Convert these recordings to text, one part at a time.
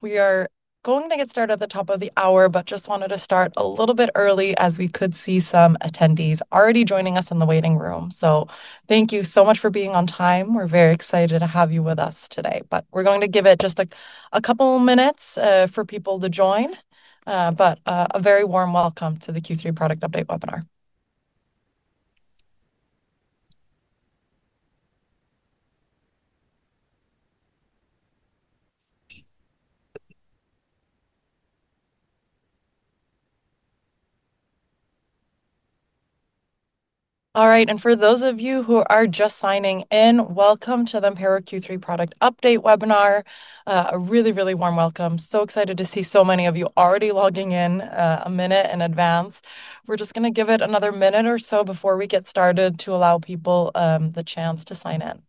We are going to get started at the top of the hour, but just wanted to start a little bit early as we could see some attendees already joining us in the waiting room. Thank you so much for being on time. We're very excited to have you with us today. We're going to give it just a couple of minutes for people to join. A very warm welcome to the Q3 Product Update Webinar. For those of you who are just signing in, welcome to the Impero Q3 Product Update Webinar. A really, really warm welcome. So excited to see so many of you already logging in a minute in advance. We're just going to give it another minute or so before we get started to allow people the chance to sign in.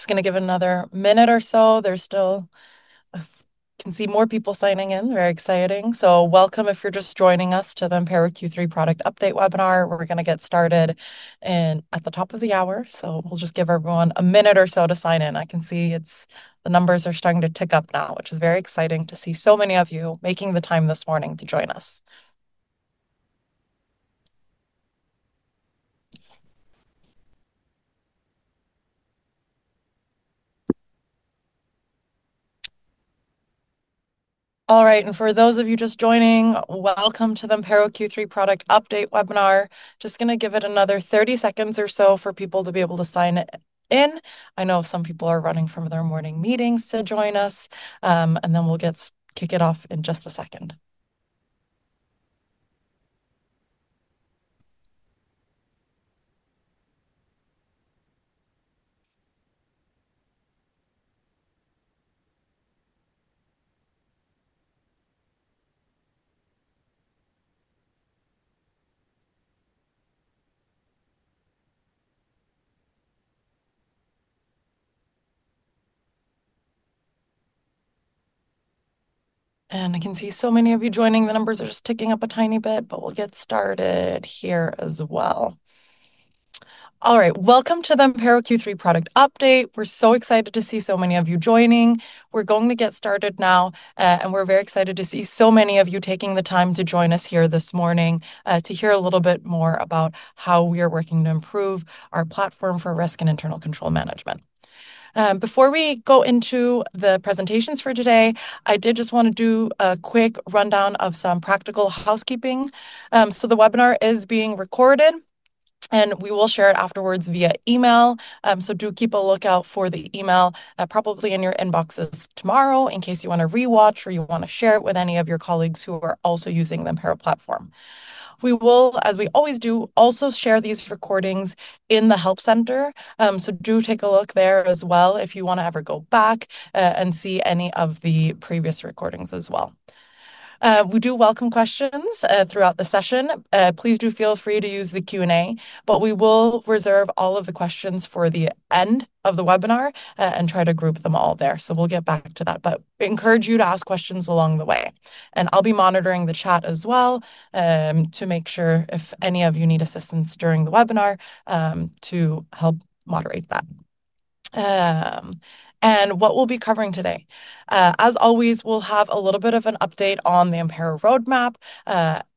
I'm just going to give it another minute or so. I can see more people signing in. Very exciting. Welcome if you're just joining us to the Impero Q3 Product Update Webinar. We're going to get started at the top of the hour. We'll just give everyone a minute or so to sign in. I can see the numbers are starting to tick up now, which is very exciting to see so many of you making the time this morning to join us. For those of you just joining, welcome to the Impero Q3 Product Update webinar. Just going to give it another 30 seconds or so for people to be able to sign in. I know some people are running from their morning meetings to join us. We'll get to kick it off in just a second. I can see so many of you joining. The numbers are just ticking up a tiny bit, but we'll get started here as well. Welcome to the Impero Q3 Product Update. We're so excited to see so many of you joining. We're going to get started now. We're very excited to see so many of you taking the time to join us here this morning to hear a little bit more about how we are working to improve our platform for risk and internal control management. Before we go into the presentations for today, I did just want to do a quick rundown of some practical housekeeping. The webinar is being recorded, and we will share it afterwards via email. Do keep a lookout for the email probably in your inboxes tomorrow in case you want to rewatch or you want to share it with any of your colleagues who are also using the Impero platform. We will, as we always do, also share these recordings in the Help Center. Do take a look there as well if you want to ever go back and see any of the previous recordings as well. We do welcome questions throughout the session. Please do feel free to use the Q&A. We will reserve all of the questions for the end of the webinar and try to group them all there. We encourage you to ask questions along the way. I'll be monitoring the chat as well to make sure if any of you need assistance during the webinar to help moderate that. What we'll be covering today, as always, we'll have a little bit of an update on the Impero roadmap.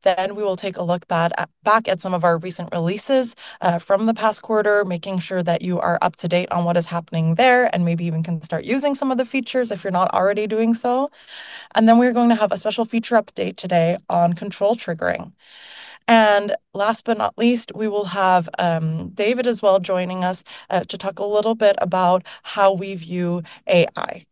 Then we will take a look back at some of our recent releases from the past quarter, making sure that you are up to date on what is happening there, and maybe even can start using some of the features if you're not already doing so. We are going to have a special feature update today on control triggering. Last but not least, we will have David as well joining us to talk a little bit about how we view AI.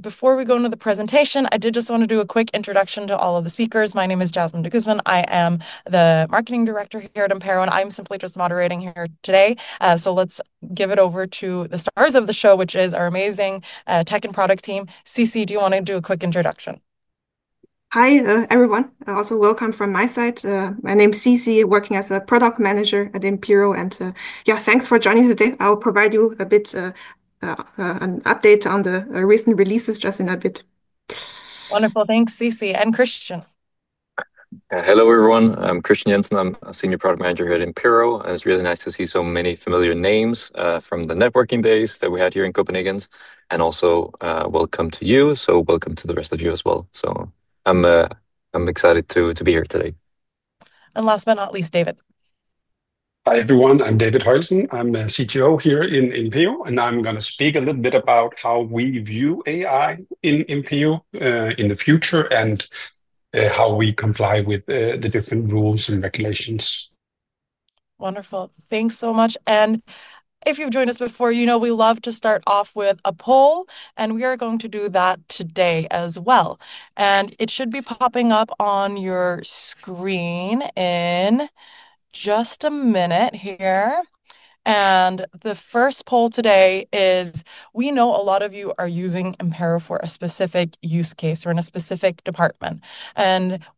Before we go into the presentation, I did just want to do a quick introduction to all of the speakers. My name is Jasmine de Guzman. I am the Marketing Director here at Impero. I'm simply just moderating here today. Let's give it over to the stars of the show, which is our amazing tech and product team. Xisi, do you want to do a quick introduction? Hi, everyone. Also welcome from my side. My name is Xisi, working as a Product Manager at Impero. Yeah, thanks for joining today. I'll provide you a bit of an update on the recent releases just in a bit. Wonderful. Thanks, Xisi and Kristian. Hello, everyone. I'm Kristian Jensen. I'm a Senior Product Manager here at Impero. It's really nice to see so many familiar names from the networking days that we had here in Copenhagen. Welcome to the rest of you as well. I'm excited to be here today. Last but not least, David. Hi, everyone. I'm David Højelsen. I'm the CTO here at Impero. I'm going to speak a little bit about how we view AI in Impero in the future and how we comply with the different rules and regulations. Wonderful. Thanks so much. If you've joined us before, you know we love to start off with a poll. We are going to do that today as well. It should be popping up on your screen in just a minute here. The first poll today is we know a lot of you are using Impero for a specific use case or in a specific department.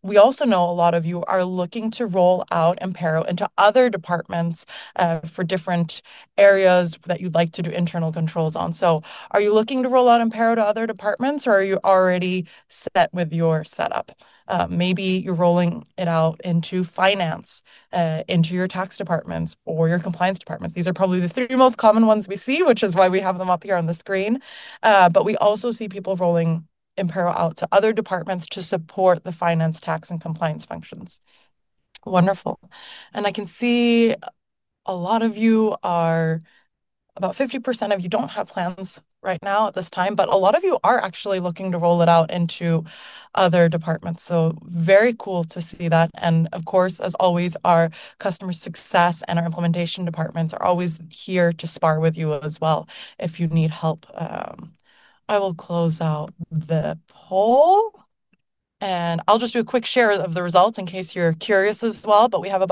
We also know a lot of you are looking to roll out Impero into other departments for different areas that you'd like to do internal controls on. Are you looking to roll out Impero to other departments? Are you already set with your setup? Maybe you're rolling it out into finance, into your tax departments, or your compliance departments. These are probably the three most common ones we see, which is why we have them up here on the screen. We also see people rolling Impero out to other departments to support the finance, tax, and compliance functions. Wonderful. I can see a lot of you are about 50% of you don't have plans right now at this time. A lot of you are actually looking to roll it out into other departments. Very cool to see that. Of course, as always, our customer success and our implementation departments are always here to spar with you as well if you need help. I will close out the poll. I'll just do a quick share of the results in case you're curious as well. We have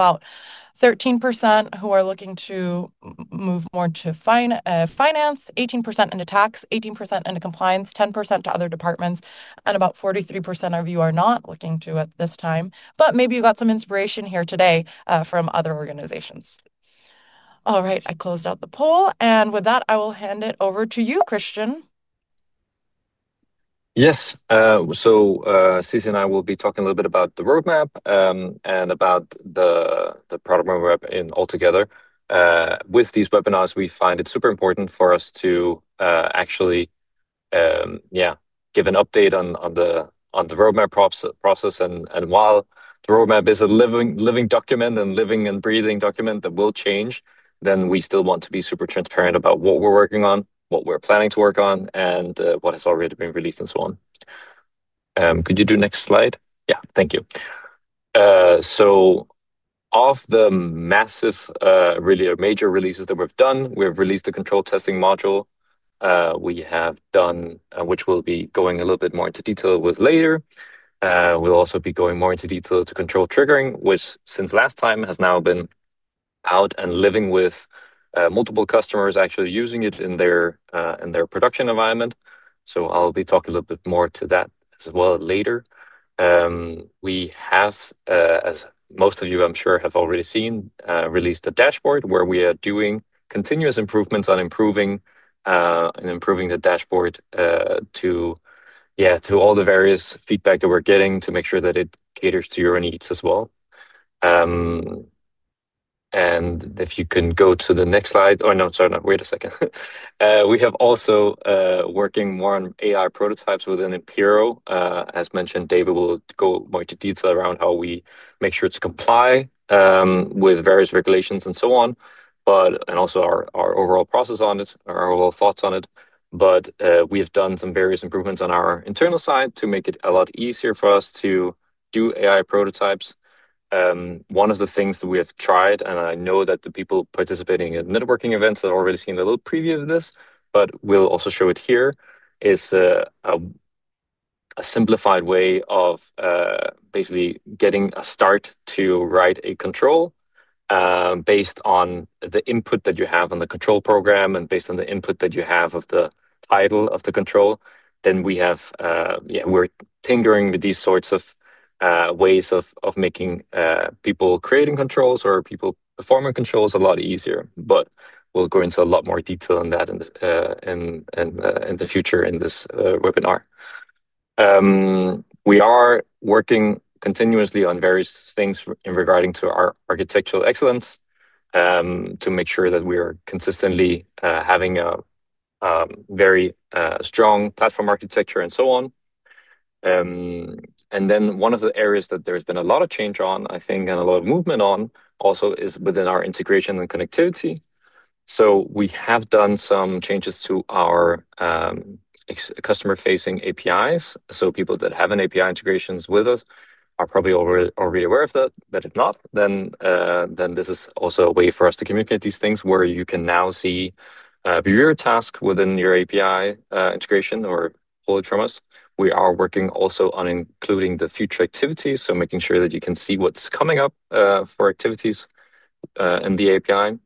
about 13% who are looking to move more to finance, 18% into tax, 18% into compliance, 10% to other departments, and about 43% of you are not looking to at this time. Maybe you got some inspiration here today from other organizations. All right. I closed out the poll. With that, I will hand it over to you, Kristian. Yes. Xisi and I will be talking a little bit about the roadmap and about the product roadmap altogether. With these webinars, we find it super important for us to actually give an update on the roadmap process. While the roadmap is a living document and living and breathing document that will change, we still want to be super transparent about what we're working on, what we're planning to work on, and what has already been released, and so on. Could you do next slide? Thank you. Of the massive, really major releases that we've done, we've released the control testing module, which we'll be going a little bit more into detail with later. We'll also be going more into detail to control triggering, which since last time has now been out and living with multiple customers actually using it in their production environment. I'll be talking a little bit more to that as well later. We have, as most of you, I'm sure, have already seen, released a dashboard where we are doing continuous improvements on improving the dashboard to all the various feedback that we're getting to make sure that it caters to your needs as well. If you can go to the next slide—oh, no, sorry, wait a second—we have also been working more on AI prototypes within Impero. As mentioned, David will go more into detail around how we make sure to comply with various regulations and so on, and also our overall process on it, our overall thoughts on it. We have done some various improvements on our internal side to make it a lot easier for us to do AI prototypes. One of the things that we have tried, and I know that the people participating in networking events have already seen a little preview of this, but we'll also show it here, is a simplified way of basically getting a start to write a control based on the input that you have on the control program and based on the input that you have of the idle of the control. We have, yeah, we're tinkering with these sorts of ways of making people creating controls or people performing controls a lot easier. We'll go into a lot more detail on that in the future in this webinar. We are working continuously on various things regarding our architectural excellence to make sure that we are consistently having a very strong platform architecture and so on. One of the areas that there's been a lot of change on, I think, and a lot of movement on also is within our integration and connectivity. We have done some changes to our customer-facing APIs. People that have an API integration with us are probably already aware of that. If not, this is also a way for us to communicate these things where you can now see your task within your API integration or pull it from us. We are working also on including the future activities, making sure that you can see what's coming up for activities in the API.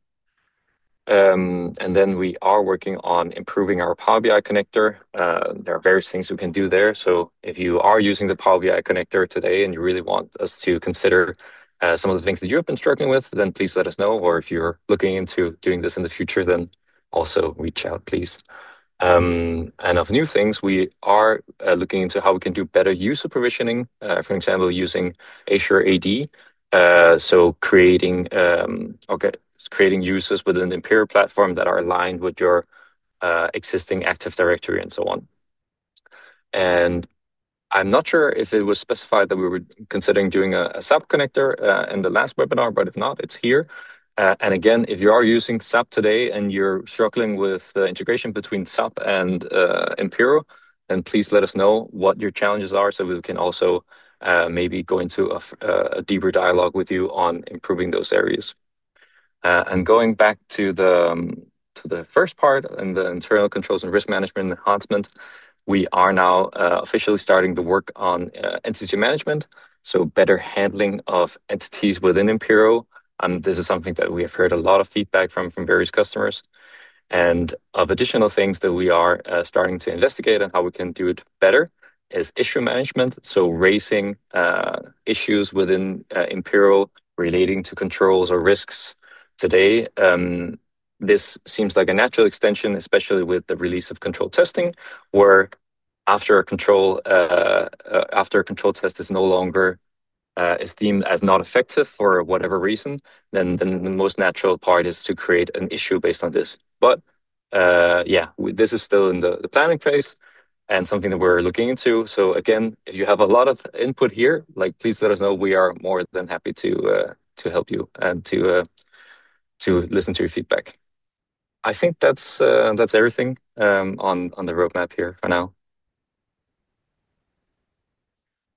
We are working on improving our Power BI connector. There are various things we can do there. If you are using the Power BI connector today and you really want us to consider some of the things that you have been struggling with, please let us know. If you're looking into doing this in the future, reach out, please. Of new things, we are looking into how we can do better user provisioning, for example, using Azure AD. Creating users within the Impero compliance management platform that are aligned with your existing Active Directory and so on. I'm not sure if it was specified that we were considering doing a SAP connector in the last webinar. If not, it's here. If you are using SAP today and you're struggling with the integration between SAP and Impero, please let us know what your challenges are so we can also maybe go into a deeper dialogue with you on improving those areas. Going back to the first part, in the internal controls and risk management enhancement, we are now officially starting to work on entity management, better handling of entities within Impero. This is something that we have heard a lot of feedback from various customers. Of additional things that we are starting to investigate and how we can do it better is issue management, raising issues within Impero relating to controls or risks. Today, this seems like a natural extension, especially with the release of control testing, where after a control test is no longer seen as not effective for whatever reason, the most natural part is to create an issue based on this. This is still in the planning phase and something that we're looking into. If you have a lot of input here, please let us know. We are more than happy to help you and to listen to your feedback. I think that's everything on the roadmap here for now.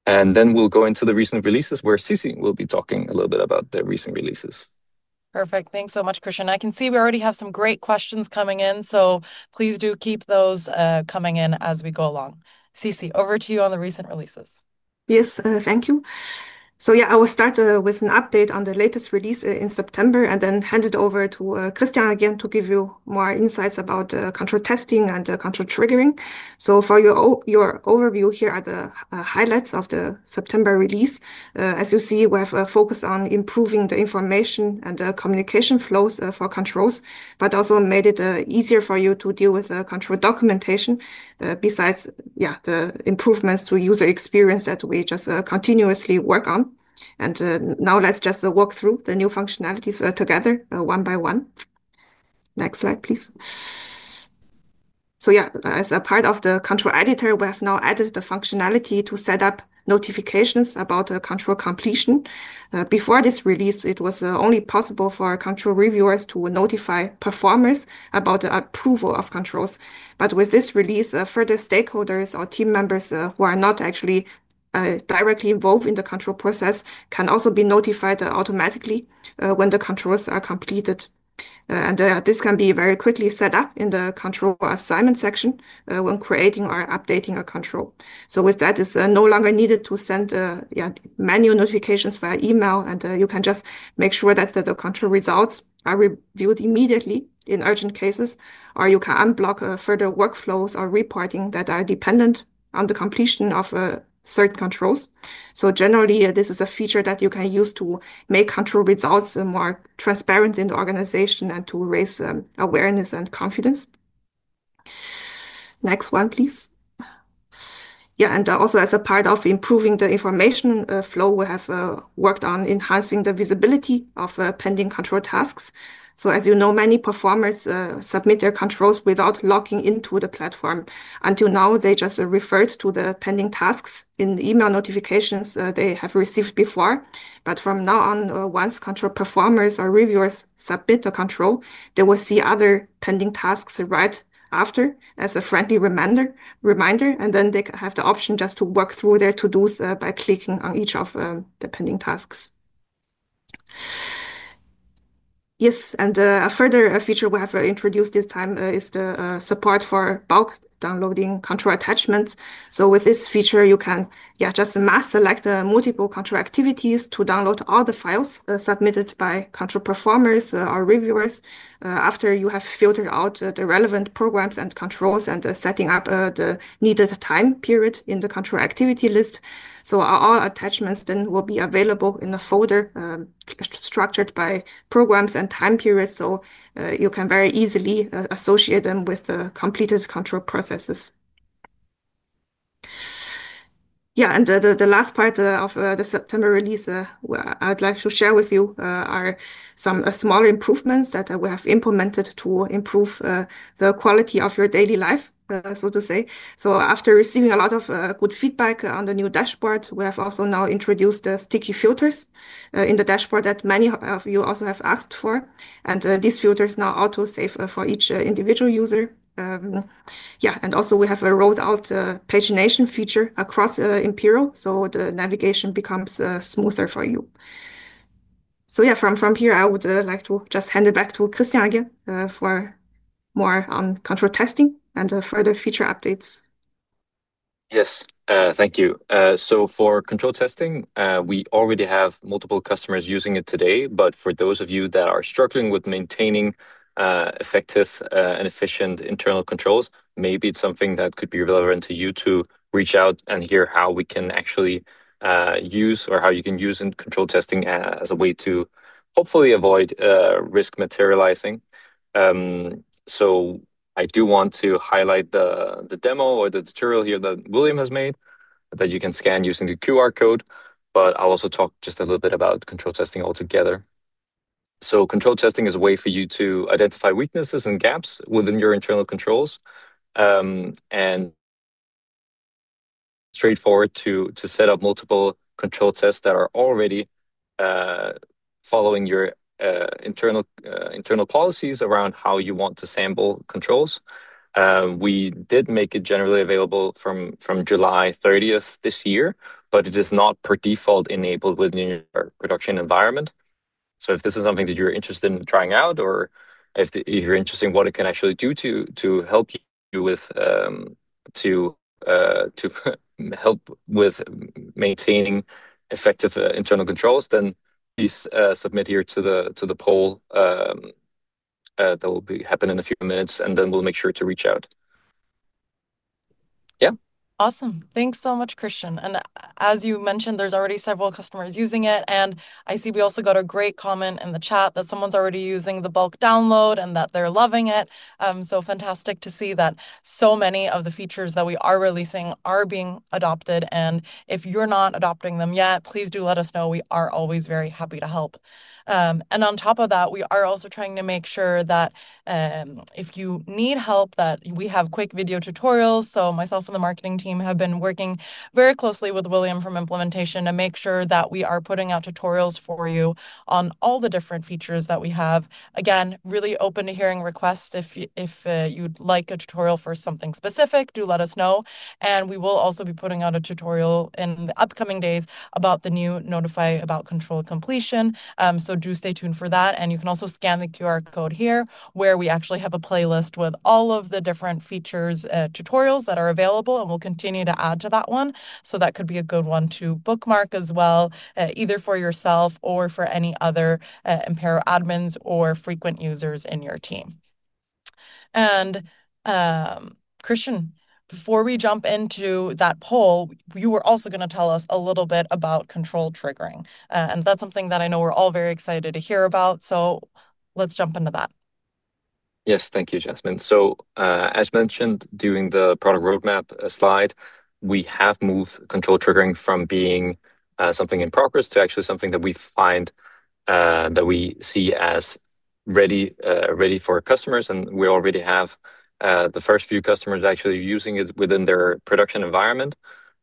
We'll go into the recent releases where Xisi will be talking a little bit about the recent releases. Perfect. Thanks so much, Kristian. I can see we already have some great questions coming in. Please do keep those coming in as we go along. Xisi, over to you on the recent releases. Yes, thank you. I will start with an update on the latest release in September and then hand it over to Kristian again to give you more insights about the control testing and the control triggering. For your overview, here are the highlights of the September release. As you see, we have focused on improving the information and the communication flows for controls, but also made it easier for you to deal with the control documentation, besides the improvements to user experience that we just continuously work on. Now let's just walk through the new functionalities together one by one. Next slide, please. As a part of the control editor, we have now added the functionality to set up notifications about the control completion. Before this release, it was only possible for control reviewers to notify performers about the approval of controls. With this release, further stakeholders or team members who are not actually directly involved in the control process can also be notified automatically when the controls are completed. This can be very quickly set up in the control assignment section when creating or updating a control. With that, it's no longer needed to send manual notifications via email. You can just make sure that the control results are reviewed immediately in urgent cases, or you can unblock further workflows or reporting that are dependent on the completion of certain controls. Generally, this is a feature that you can use to make control results more transparent in the organization and to raise awareness and confidence. Next one, please. Also, as a part of improving the information flow, we have worked on enhancing the visibility of pending control tasks. As you know, many performers submit their controls without logging into the platform. Until now, they just referred to the pending tasks in the email notifications they have received before. From now on, once control performers or reviewers submit the control, they will see other pending tasks right after as a friendly reminder. They have the option just to work through their to-dos by clicking on each of the pending tasks. A further feature we have introduced this time is the support for bulk downloading control attachments. With this feature, you can just mass select multiple control activities to download all the files submitted by control performers or reviewers after you have filtered out the relevant programs and controls and set up the needed time period in the control activity list. All attachments then will be available in a folder structured by programs and time periods. You can very easily associate them with completed control processes. The last part of the September release I'd like to share with you are some small improvements that we have implemented to improve the quality of your daily life, so to say. After receiving a lot of good feedback on the new dashboard, we have also now introduced the sticky filters in the dashboard that many of you have asked for. These filters now auto-save for each individual user. We have rolled out the pagination feature across Impero, so the navigation becomes smoother for you. From here, I would like to hand it back to Kristian again for more on control testing and further feature updates. Yes, thank you. For control testing, we already have multiple customers using it today. For those of you that are struggling with maintaining effective and efficient internal controls, maybe it's something that could be relevant to you to reach out and hear how we can actually use or how you can use control testing as a way to hopefully avoid risk materializing. I do want to highlight the demo or the tutorial here that William has made that you can scan using the QR code. I'll also talk just a little bit about control testing altogether. Control testing is a way for you to identify weaknesses and gaps within your internal controls. It's straightforward to set up multiple control tests that are already following your internal policies around how you want to sample controls. We did make it generally available from July 30th this year. It is not per default enabled within your production environment. If this is something that you're interested in trying out or if you're interested in what it can actually do to help you with maintaining effective internal controls, then please submit here to the poll that will happen in a few minutes. We'll make sure to reach out. Yeah. Awesome. Thanks so much, Kristian. As you mentioned, there's already several customers using it. I see we also got a great comment in the chat that someone's already using the bulk downloading of control attachments and that they're loving it. Fantastic to see that so many of the features that we are releasing are being adopted. If you're not adopting them yet, please do let us know. We are always very happy to help. On top of that, we are also trying to make sure that if you need help, we have quick video tutorials. Myself and the marketing team have been working very closely with William from Implementation to make sure that we are putting out tutorials for you on all the different features that we have. Again, really open to hearing requests. If you'd like a tutorial for something specific, do let us know. We will also be putting out a tutorial in the upcoming days about the new control completion notifications. Do stay tuned for that. You can also scan the QR code here where we actually have a playlist with all of the different features and tutorials that are available. We'll continue to add to that one. That could be a good one to bookmark as well, either for yourself or for any other Impero admins or frequent users in your team. Kristian, before we jump into that poll, you were also going to tell us a little bit about control triggering. That's something that I know we're all very excited to hear about. Let's jump into that. Yes, thank you, Jasmine. As mentioned during the product roadmap slide, we have moved control triggering from being something improper to actually something that we find that we see as ready for customers. We already have the first few customers actually using it within their production environment.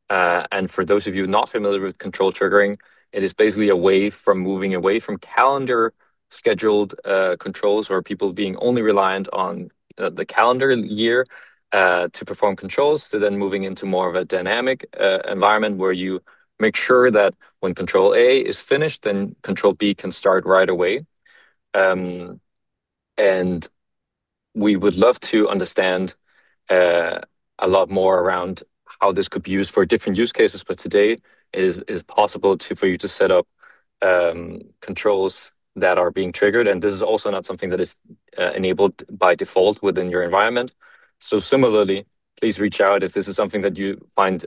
For those of you not familiar with control triggering, it is basically a way of moving away from calendar-scheduled controls or people being only reliant on the calendar year to perform controls, to then moving into more of a dynamic environment where you make sure that when control A is finished, control B can start right away. We would love to understand a lot more around how this could be used for different use cases. Today, it is possible for you to set up controls that are being triggered. This is also not something that is enabled by default within your environment. Similarly, please reach out if this is something that you find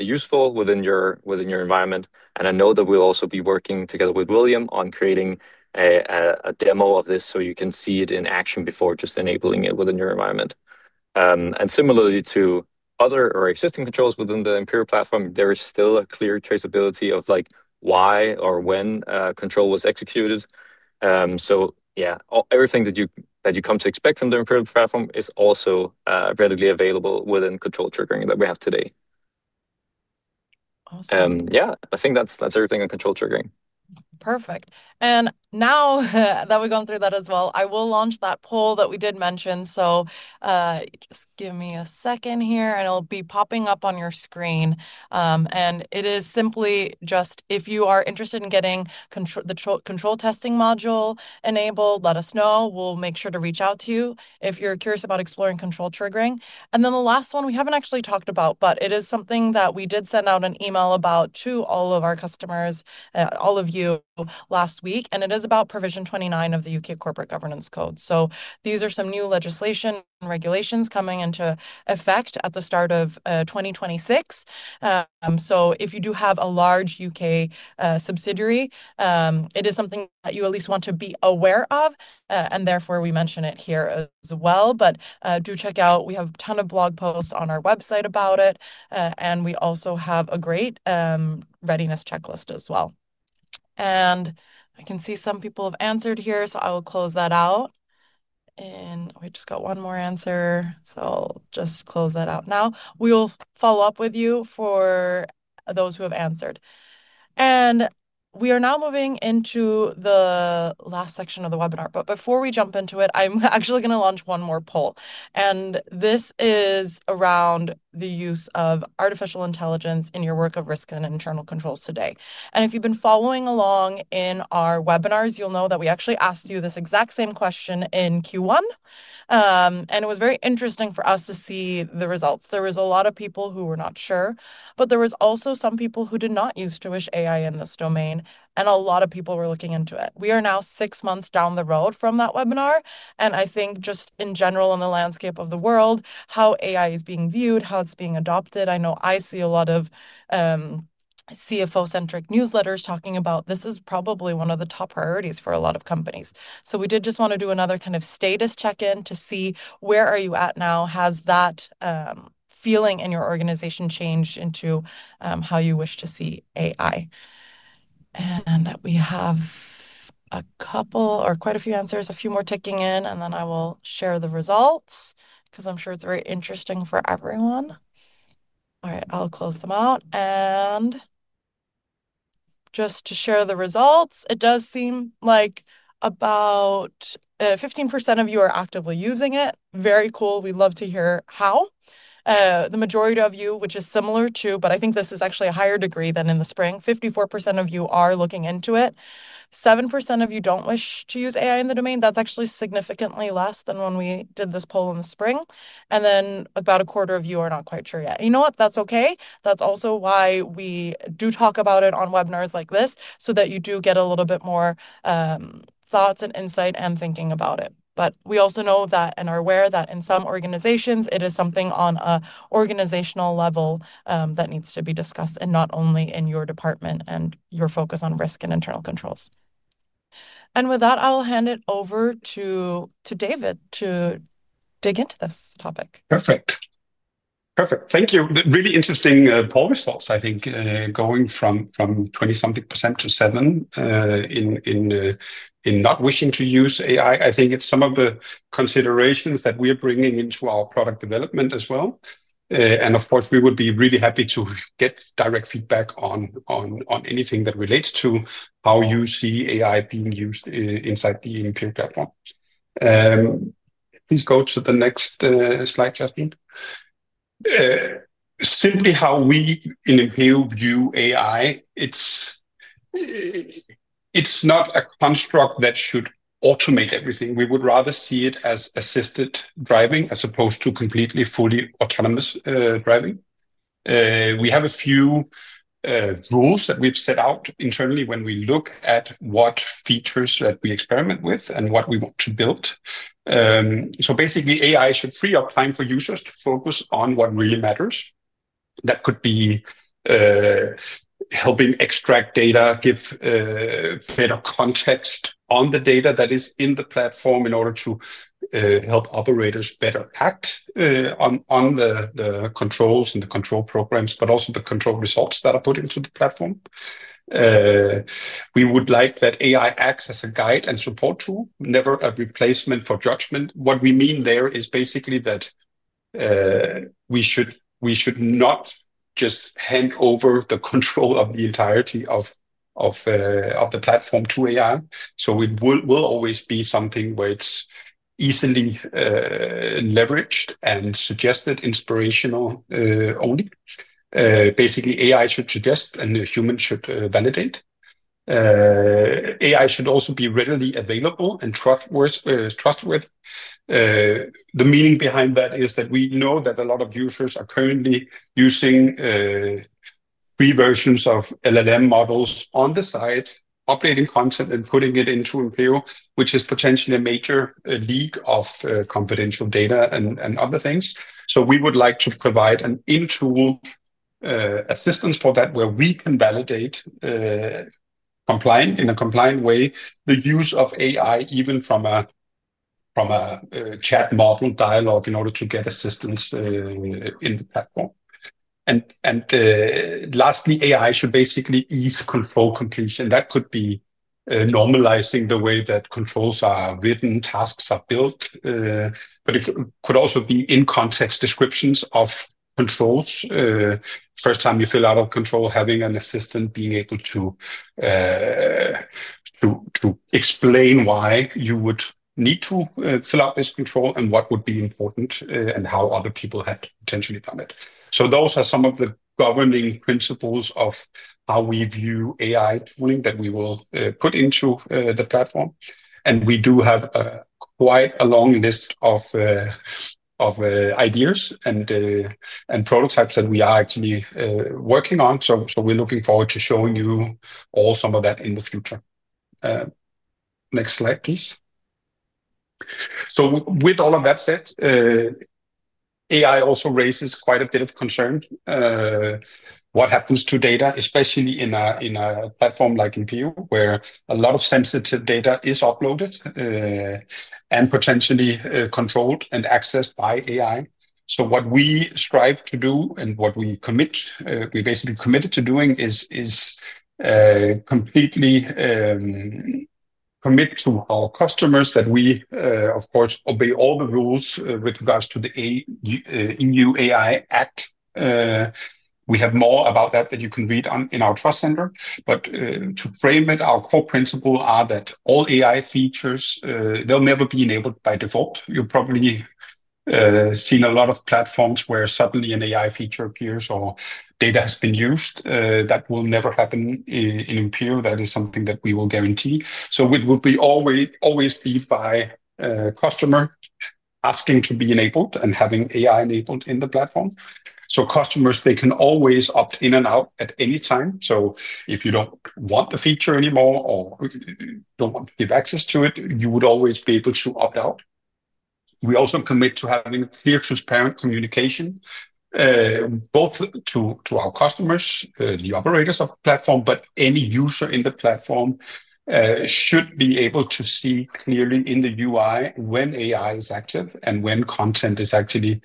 useful within your environment. I know that we'll also be working together with William on creating a demo of this so you can see it in action before just enabling it within your environment. Similarly to other or existing controls within the Impero compliance management platform, there is still a clear traceability of why or when a control was executed. Everything that you come to expect from the Impero compliance management platform is also readily available within control triggering that we have today. Awesome. Yeah, I think that's everything on control triggering. Perfect. Now that we've gone through that as well, I will launch that poll that we did mention. Just give me a second here. It'll be popping up on your screen. It is simply just if you are interested in getting the control testing module enabled, let us know. We'll make sure to reach out to you if you're curious about exploring control triggering. The last one we haven't actually talked about, but it is something that we did send out an email about to all of our customers, all of you, last week. It is about provision 29 of the U.K. Corporate Governance Code. These are some new legislation and regulations coming into effect at the start of 2026. If you do have a large U.K. subsidiary, it is something that you at least want to be aware of. Therefore, we mention it here as well. Do check out, we have a ton of blog posts on our website about it. We also have a great readiness checklist as well. I can see some people have answered here. I'll close that out. We just got one more answer. I'll just close that out now. We will follow up with you for those who have answered. We are now moving into the last section of the webinar. Before we jump into it, I'm actually going to launch one more poll. This is around the use of AI in your work of risk and internal controls today. If you've been following along in our webinars, you'll know that we actually asked you this exact same question in Q1. It was very interesting for us to see the results. There were a lot of people who were not sure. There were also some people who did not use AI in this domain. A lot of people were looking into it. We are now six months down the road from that webinar. I think just in general in the landscape of the world, how AI is being viewed, how it's being adopted, I know I see a lot of CFO-centric newsletters talking about this is probably one of the top priorities for a lot of companies. We did just want to do another kind of status check-in to see where are you at now? Has that feeling in your organization changed into how you wish to see AI? We have a couple or quite a few answers, a few more ticking in. I will share the results because I'm sure it's very interesting for everyone. All right, I'll close them out. Just to share the results, it does seem like about 15% of you are actively using it. Very cool. We'd love to hear how. The majority of you, which is similar to, but I think this is actually a higher degree than in the spring, 54% of you are looking into it. 7% of you don't wish to use AI in the domain. That's actually significantly less than when we did this poll in the spring. About a quarter of you are not quite sure yet. You know what? That's OK. That's also why we do talk about it on webinars like this, so that you do get a little bit more thoughts and insight and thinking about it. We also know that and are aware that in some organizations, it is something on an organizational level that needs to be discussed and not only in your department and your focus on risk and internal controls. With that, I'll hand it over to David to dig into this topic. Perfect. Perfect. Thank you. Really interesting poll results, I think, going from 20-something percent to 7% in not wishing to use AI. I think it's some of the considerations that we are bringing into our product development as well. Of course, we would be really happy to get direct feedback on anything that relates to how you see AI being used inside the Impero platform. Please go to the next slide, Jasmine. Simply how we in Impero view AI, it's not a construct that should automate everything. We would rather see it as assisted driving as opposed to completely fully autonomous driving. We have a few rules that we've set out internally when we look at what features that we experiment with and what we want to build. Basically, AI should free up time for users to focus on what really matters. That could be helping extract data, give better context on the data that is in the platform in order to help operators better act on the controls and the control programs, but also the control results that are put into the platform. We would like that AI acts as a guide and support tool, never a replacement for judgment. What we mean there is basically that we should not just hand over the control of the entirety of the platform to AI. It will always be something where it's easily leveraged and suggested inspirationally only. Basically, AI should suggest and a human should validate. AI should also be readily available and trustworthy. Trustworthy? The meaning behind that is that we know that a lot of users are currently using free versions of LLM models on the side, updating content and putting it into Impero, which is potentially a major leak of confidential data and other things. We would like to provide an in-tool assistance for that where we can validate in a compliant way the use of AI, even from a chat model dialogue in order to get assistance in the platform. Lastly, AI should basically ease control completion. That could be normalizing the way that controls are written, tasks are built. It could also be in-context descriptions of controls. First time you fill out a control, having an assistant being able to explain why you would need to fill out this control and what would be important and how other people had potentially done it. Those are some of the governing principles of how we view AI tooling that we will put into the platform. We do have quite a long list of ideas and prototypes that we are actually working on. We're looking forward to showing you all some of that in the future. Next slide, please. With all of that said, AI also raises quite a bit of concern. What happens to data, especially in a platform like Impero, where a lot of sensitive data is uploaded and potentially controlled and accessed by AI? What we strive to do and what we basically committed to doing is completely commit to our customers that we, of course, obey all the rules with regards to the E.U. AI Act. We have more about that that you can read in our Trust Center. To frame it, our core principles are that all AI features, they'll never be enabled by default. You've probably seen a lot of platforms where suddenly an AI feature appears or data has been used. That will never happen in Impero. That is something that we will guarantee. It will always be by a customer asking to be enabled and having AI enabled in the platform. Customers can always opt in and out at any time. If you don't want the feature anymore or don't give access to it, you would always be able to opt out. We also commit to having clear, transparent communication both to our customers, the operators of the platform, but any user in the platform should be able to see clearly in the UI when AI is active and when content is actually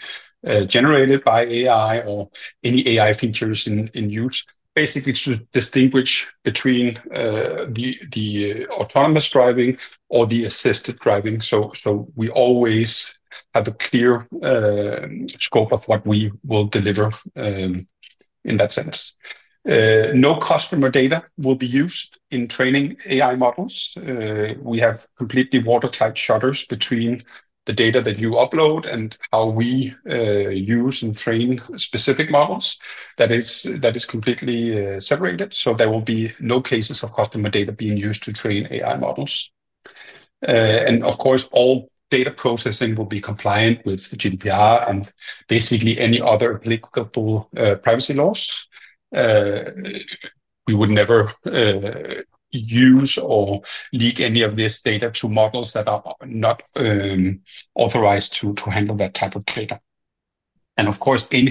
generated by AI or any AI features in use, basically to distinguish between the autonomous driving or the assisted driving. We always have a clear scope of what we will deliver in that sense. No customer data will be used in training AI models. We have completely watertight shutters between the data that you upload and how we use and train specific models. That is completely separated. There will be no cases of customer data being used to train AI models. All data processing will be compliant with GDPR and basically any other applicable privacy laws. We would never use or leak any of this data to models that are not authorized to handle that type of data. Any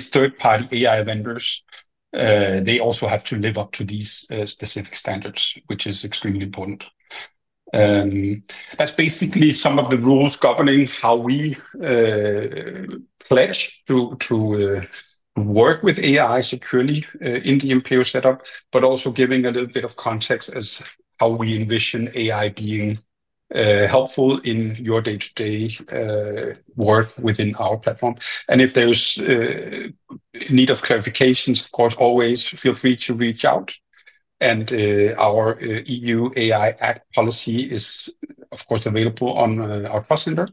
third-party AI vendors also have to live up to these specific standards, which is extremely important. That's basically some of the rules governing how we pledge to work with AI securely in the Impero setup, but also giving a little bit of context as how we envision AI being helpful in your day-to-day work within our platform. If there's a need of clarifications, of course, always feel free to reach out. Our E.U. AI Act policy is, of course, available on our Trust Center.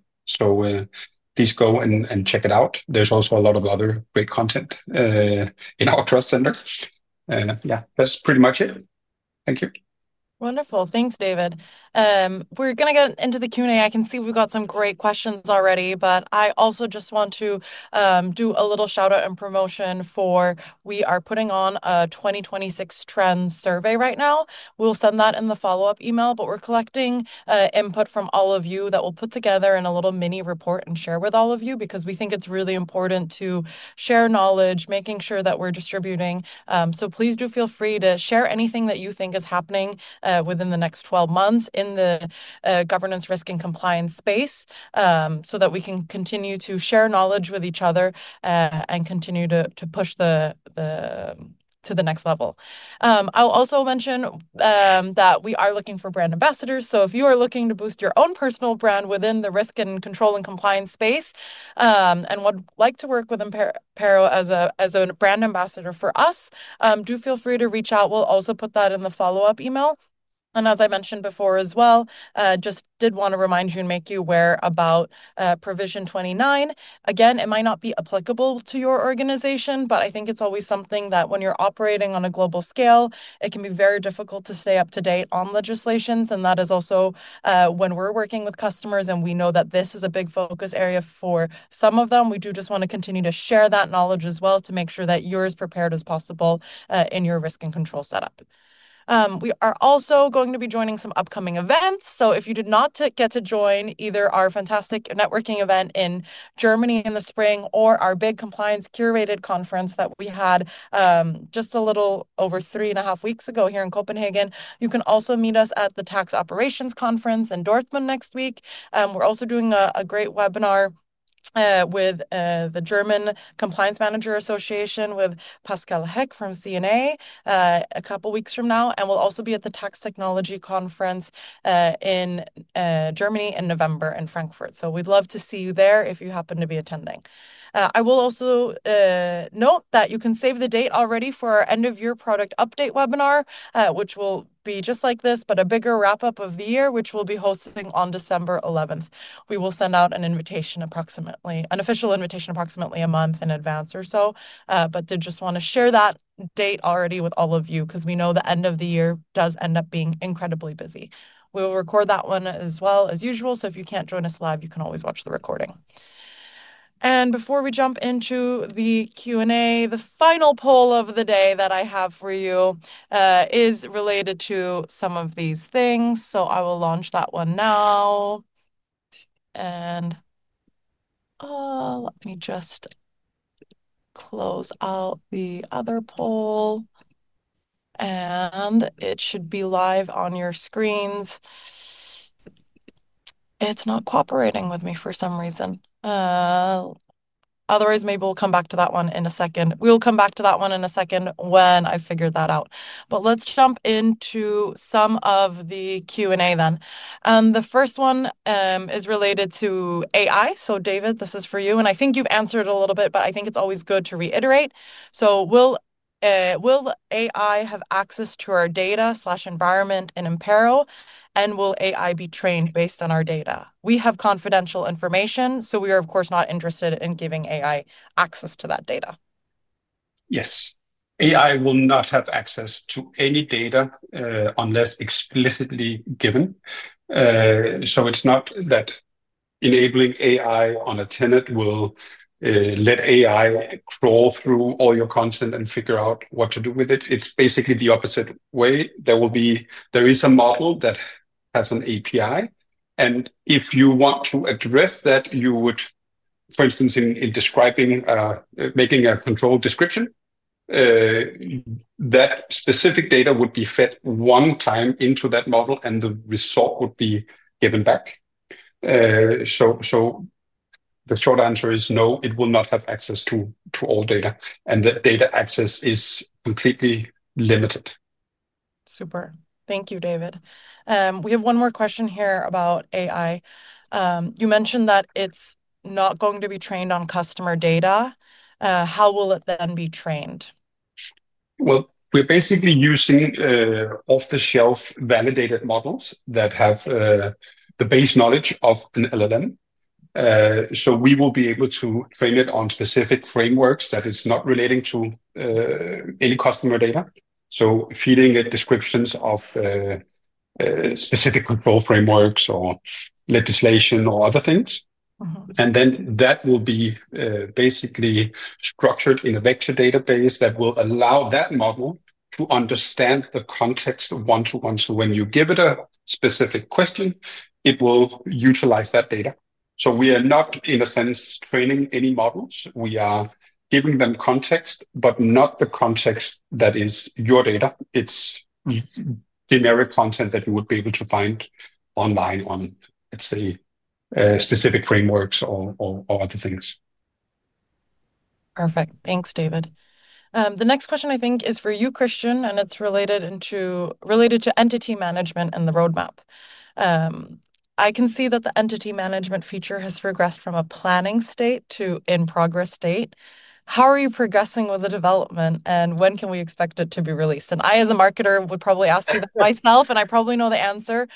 Please go and check it out. There's also a lot of other great content in our Trust Center. That's pretty much it. Thank you. Wonderful. Thanks, David. We're going to get into the Q&A. I can see we've got some great questions already. I also just want to do a little shout-out and promotion for we are putting on a 2026 trends survey right now. We'll send that in the follow-up email. We're collecting input from all of you that we'll put together in a little mini report and share with all of you because we think it's really important to share knowledge, making sure that we're distributing. Please do feel free to share anything that you think is happening within the next 12 months in the governance, risk, and compliance space so that we can continue to share knowledge with each other and continue to push the to the next level. I'll also mention that we are looking for brand ambassadors. If you are looking to boost your own personal brand within the risk and control and compliance space and would like to work with Impero as a brand ambassador for us, do feel free to reach out. We'll also put that in the follow-up email. As I mentioned before as well, just did want to remind you and make you aware about provision 29. Again, it might not be applicable to your organization. I think it's always something that when you're operating on a global scale, it can be very difficult to stay up to date on legislations. That is also when we're working with customers. We know that this is a big focus area for some of them. We do just want to continue to share that knowledge as well to make sure that you're as prepared as possible in your risk and control setup. We are also going to be joining some upcoming events. If you did not get to join either our fantastic networking event in Germany in the spring or our big compliance curated conference that we had just a little over three and a half weeks ago here in Copenhagen, you can also meet us at the Tax Operations Conference in Dortmund next week. We're also doing a great webinar with the German Compliance Manager Association with Pascal Heck from C&A a couple of weeks from now. We'll also be at the Tax Technology Conference in Germany in November in Frankfurt. We'd love to see you there if you happen to be attending. I will also note that you can save the date already for our end-of-year product update webinar, which will be just like this, but a bigger wrap-up of the year, which we'll be hosting on December 11. We will send out an official invitation approximately a month in advance or so. I just want to share that date already with all of you because we know the end of the year does end up being incredibly busy. We will record that one as well as usual. If you can't join us live, you can always watch the recording. Before we jump into the Q&A, the final poll of the day that I have for you is related to some of these things. I will launch that one now. Let me just close out the other poll. It should be live on your screens. It's not cooperating with me for some reason. Maybe we'll come back to that one in a second. We'll come back to that one in a second when I figure that out. Let's jump into some of the Q&A then. The first one is related to AI. David, this is for you. I think you've answered it a little bit, but I think it's always good to reiterate. Will AI have access to our data/environment in Impero? Will AI be trained based on our data? We have confidential information, so we are, of course, not interested in giving AI access to that data. AI will not have access to any data unless explicitly given. It's not that enabling AI on a tenant will let AI crawl through all your content and figure out what to do with it. It's basically the opposite way. There is a model that has an API. If you want to address that, you would, for instance, in making a control description, feed that specific data one time into that model, and the result would be given back. The short answer is no, it will not have access to all data. The data access is completely limited. Super. Thank you, David. We have one more question here about AI. You mentioned that it's not going to be trained on customer data. How will it then be trained? We are basically using off-the-shelf validated models that have the base knowledge of an LLM. We will be able to train it on specific frameworks that are not related to any customer data, feeding it descriptions of specific control frameworks or legislation or other things. That will be structured in a vector database that will allow that model to understand the context one to one. When you give it a specific question, it will utilize that data. We are not, in a sense, training any models. We are giving them context, but not the context that is your data. It's generic content that you would be able to find online on, let's say, specific frameworks or other things. Perfect. Thanks, David. The next question, I think, is for you, Kristian. It's related to entity management and the roadmap. I can see that the entity management feature has progressed from a planning state to in-progress state. How are you progressing with the development? When can we expect it to be released? I, as a marketer, would probably ask you that myself. I probably know the answer.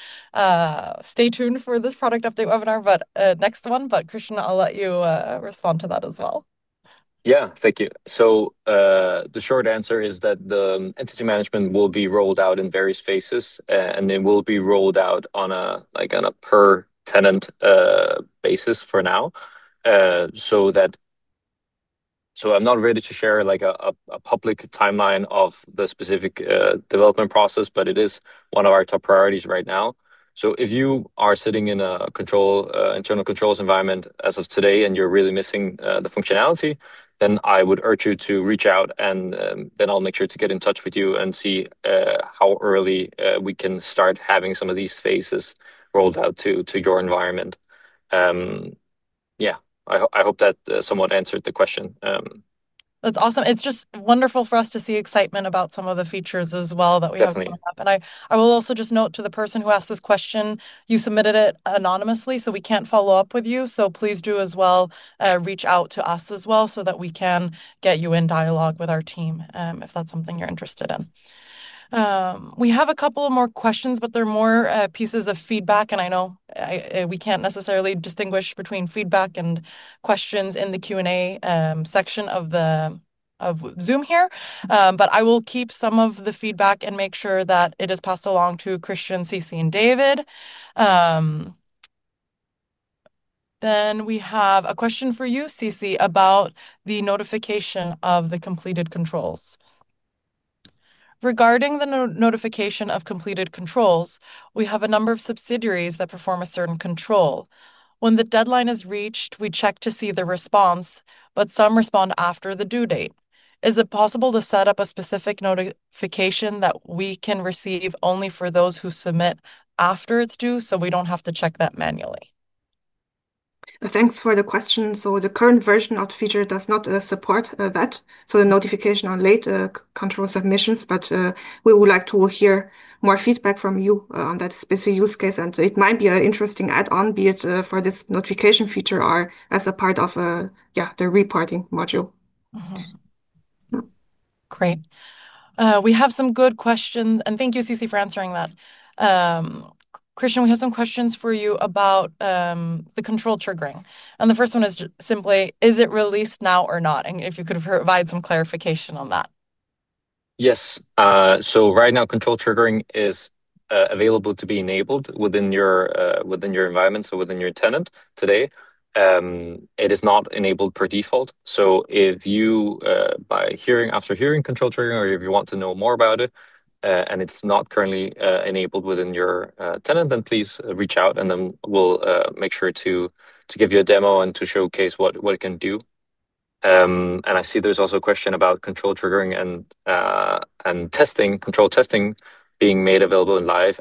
Stay tuned for this product update webinar, but next one. Kristian, I'll let you respond to that as well. Thank you. The short answer is that the entity management will be rolled out in various phases. It will be rolled out on a per-tenant basis for now. I'm not ready to share a public timeline of the specific development process, but it is one of our top priorities right now. If you are sitting in an internal controls environment as of today and you're really missing the functionality, then I would urge you to reach out. I'll make sure to get in touch with you and see how early we can start having some of these phases rolled out to your environment. I hope that somewhat answered the question. That's awesome. It's just wonderful for us to see excitement about some of the features as well that we have coming up. I will also just note to the person who asked this question, you submitted it anonymously. We can't follow up with you. Please do as well reach out to us so that we can get you in dialogue with our team if that's something you're interested in. We have a couple more questions, but they're more pieces of feedback. I know we can't necessarily distinguish between feedback and questions in the Q&A section of Zoom here. I will keep some of the feedback and make sure that it is passed along to Kristian, Xisi, and David. We have a question for you, Xisi, about the notification of the completed controls. Regarding the notification of completed controls, we have a number of subsidiaries that perform a certain control. When the deadline is reached, we check to see the response, but some respond after the due date. Is it possible to set up a specific notification that we can receive only for those who submit after it's due so we don't have to check that manually? Thanks for the question. The current version of the feature does not support that. The notification on late control submissions is not available, but we would like to hear more feedback from you on that specific use case. It might be an interesting add-on, be it for this notification feature or as a part of the reporting module. Great. We have some good questions. Thank you, Xisi, for answering that. Kristian, we have some questions for you about the control triggering. The first one is simply, is it released now or not? If you could provide some clarification on that. Yes. Right now, control triggering is available to be enabled within your environment, within your tenant today. It is not enabled per default. If, after hearing about control triggering or if you want to know more about it and it's not currently enabled within your tenant, please reach out. We'll make sure to give you a demo and to showcase what it can do. I see there's also a question about control triggering and testing, control testing being made available live.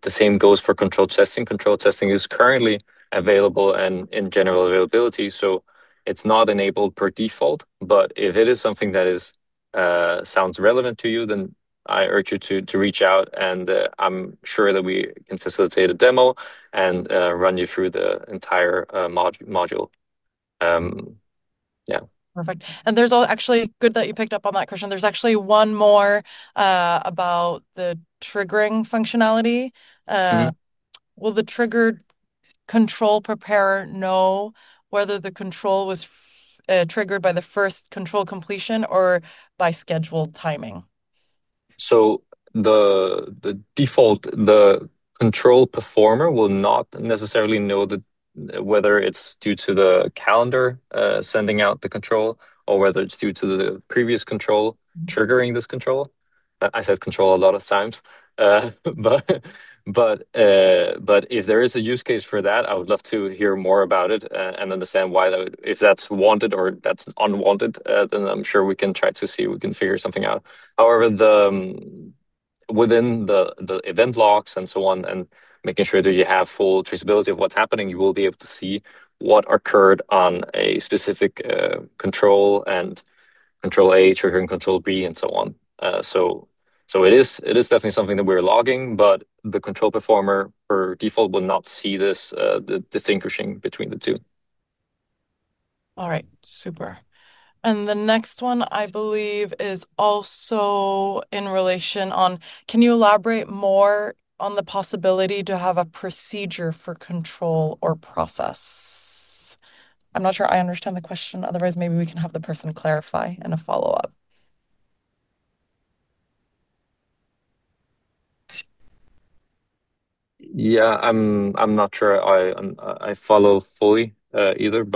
The same goes for control testing. Control testing is currently available and in general availability. It is not enabled per default. If it is something that sounds relevant to you, I urge you to reach out. I'm sure that we can facilitate a demo and run you through the entire module. Perfect. It's actually good that you picked up on that, Kristian. There's actually one more about the triggering functionality. Will the triggered control preparer know whether the control was triggered by the first control completion or by scheduled timing? default is that the control performer will not necessarily know whether it's due to the calendar sending out the control or whether it's due to the previous control triggering this control. I said control a lot of times. If there is a use case for that, I would love to hear more about it and understand why if that's wanted or that's unwanted. I'm sure we can try to see if we can figure something out. However, within the event logs and so on, and making sure that you have full traceability of what's happening, you will be able to see what occurred on a specific control and control A triggering control B and so on. It is definitely something that we're logging. The control performer per default will not see this distinguishing between the two. All right. Super. The next one, I believe, is also in relation on, can you elaborate more on the possibility to have a procedure for control or process? I'm not sure I understand the question. Otherwise, maybe we can have the person clarify in a follow-up. Yeah, I'm not sure I follow fully either.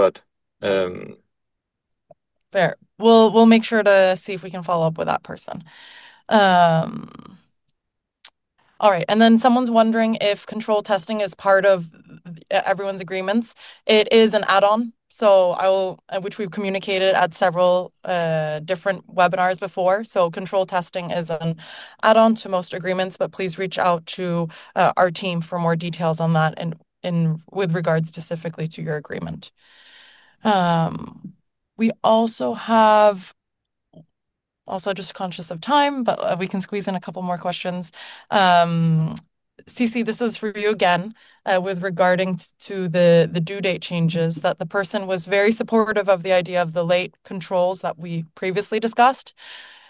Fair. We'll make sure to see if we can follow up with that person. All right. Someone's wondering if control testing is part of everyone's agreements. It is an add-on, which we've communicated at several different webinars before. Control testing is an add-on to most agreements. Please reach out to our team for more details on that with regard specifically to your agreement. We also have, just conscious of time, but we can squeeze in a couple more questions. Xisi, this is for you again regarding the due date changes. The person was very supportive of the idea of the late controls that we previously discussed.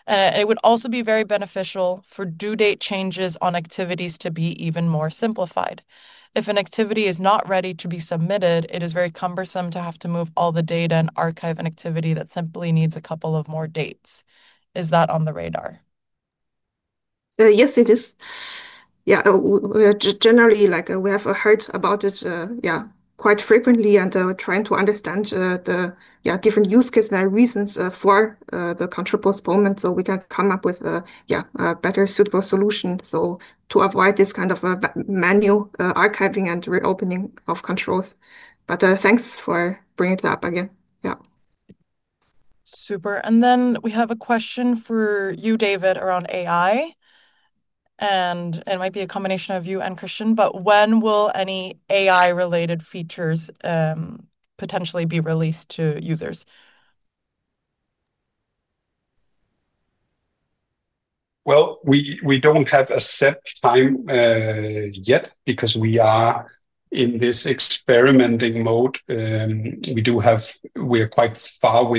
It would also be very beneficial for due date changes on activities to be even more simplified. If an activity is not ready to be submitted, it is very cumbersome to have to move all the data and archive an activity that simply needs a couple more dates. Is that on the radar? Yes, it is. Generally, we have heard about it quite frequently and are trying to understand the different use cases and reasons for the control postponement so we can come up with a better suitable solution to avoid this kind of manual archiving and reopening of controls. Thanks for bringing it up again. Super. We have a question for you, David, around AI. It might be a combination of you and Kristian. When will any AI-related features potentially be released to users? We don't have a set time yet because we are in this experimenting mode. We are quite far,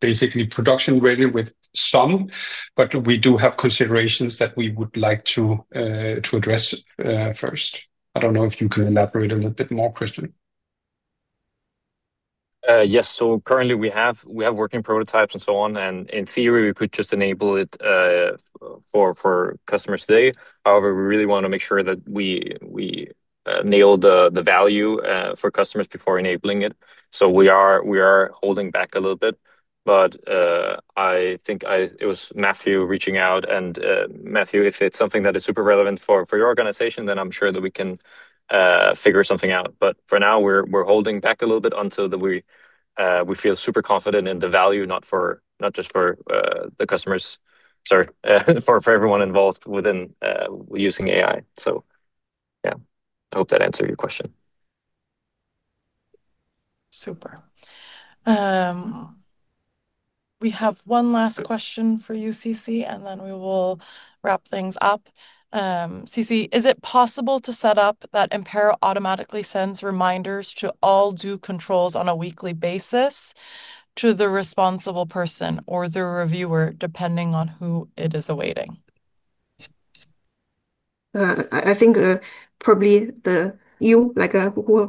basically production ready with some, but we do have considerations that we would like to address first. I don't know if you can elaborate a little bit more, Kristian. Yes. Currently, we have working prototypes and so on. In theory, we could just enable it for customers today. However, we really want to make sure that we nail the value for customers before enabling it. We are holding back a little bit. I think it was Matthew reaching out. Matthew, if it's something that is super relevant for your organization, then I'm sure that we can figure something out. For now, we're holding back a little bit until we feel super confident in the value, not just for the customers, sorry, for everyone involved within using AI. I hope that answered your question. Super. We have one last question for you, Xisi, and then we will wrap things up. Xisi, is it possible to set up that Impero automatically sends reminders to all due controls on a weekly basis to the responsible person or the reviewer, depending on who it is awaiting? I think probably you,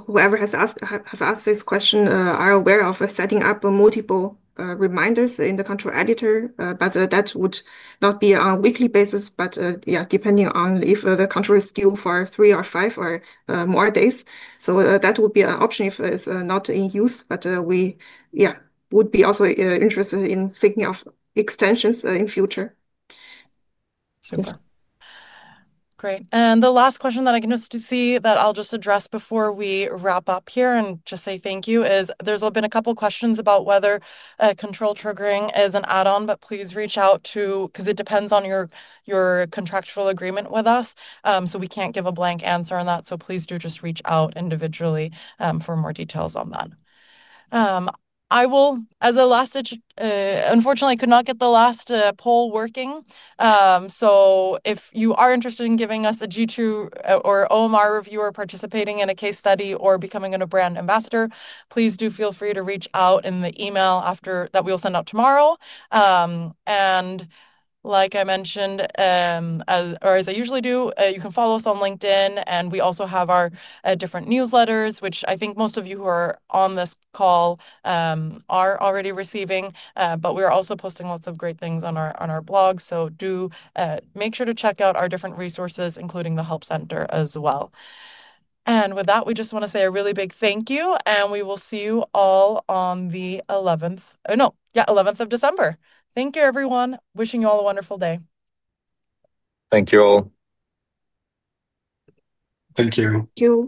whoever has asked this question, are aware of setting up multiple reminders in the control editor. That would not be on a weekly basis, but depending on if the control is due for three or five or more days, that would be an option if it's not in use. We would be also interested in thinking of extensions in the future. Great. The last question that I can just see that I'll just address before we wrap up here and just say thank you is there's been a couple of questions about whether control triggering is an add-on. Please reach out because it depends on your contractual agreement with us. We can't give a blank answer on that. Please do just reach out individually for more details on that. Unfortunately, I could not get the last poll working. If you are interested in giving us a G2 or OMR review, participating in a case study, or becoming a brand ambassador, please do feel free to reach out in the email that we will send out tomorrow. Like I mentioned, or as I usually do, you can follow us on LinkedIn. We also have our different newsletters, which I think most of you who are on this call are already receiving. We are also posting lots of great things on our blog. Make sure to check out our different resources, including the Help Center as well. With that, we just want to say a really big thank you. We will see you all on the 11th, no, yeah, 11th of December. Thank you, everyone. Wishing you all a wonderful day. Thank you all. Thank you. Thank you.